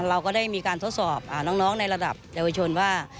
เราก็ได้มีการทดสอบอ่าน้องน้องในระดับเดียววิชวนว่า